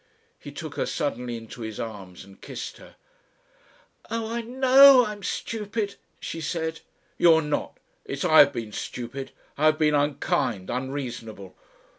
He took her suddenly into his arms and kissed her. "Oh, I know I'm stupid," she said. "You're not. It's I have been stupid. I have been unkind, unreasonable.